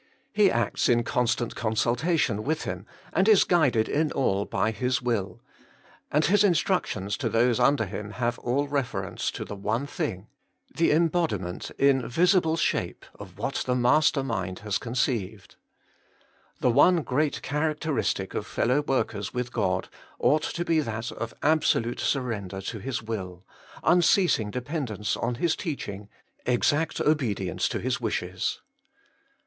He acts in constant consultation with him, and is guided in all by his will; and his instructions to those under him have all reference to the one thing — the embodi ment, in visible shape, of what the master mind has conceived. The one great charac teristic of fellow workers with God ought to be that of absolute surrender to His will, unceasing dependence on His teaching, exact obedience to His wishes.